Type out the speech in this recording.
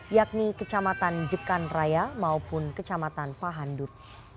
yakni kecamatan jekan raya maupun kecamatan pahandut